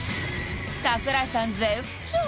櫻井さん絶不調！